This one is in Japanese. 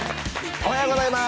おはようございます。